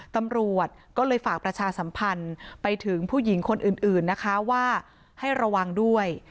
ตำรวจก็เลยฝากประชาสัมพันธ์ไปถึงผู้หญิงคนอื่นนะคะว่าให้ระวังด้วย